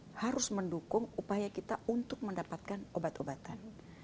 diplomasi kita juga untuk mendukung upaya kita mendapatkan obat obatan